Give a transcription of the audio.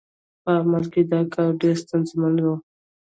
په عمل کې دا کار ډېر ستونزمن و.